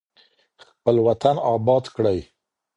خپل وطن اباد کړئ.